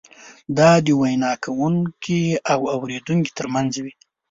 دا د وینا کوونکي او اورېدونکي ترمنځ وي.